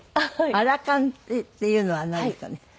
「アラ還」っていうのはなんですかね？